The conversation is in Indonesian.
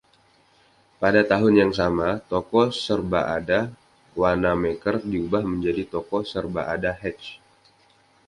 Pada tahun yang sama, toko serbaada Wanamaker diubah menjadi toko serbaada Hecht.